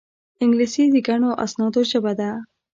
انګلیسي د ګڼو اسنادو ژبه ده